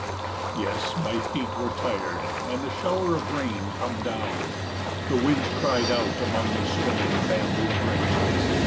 Yes, my feet were tired, and the shower of rain come down. The winds cried out among the swaying bamboo branches.